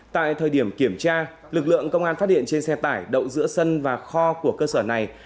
tại thời điểm kiểm tra lực lượng công an phát hiện trên xe tải đậu giữa sân và kho của cơ sở này